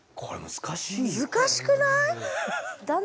難しくない？